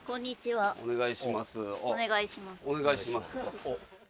はい。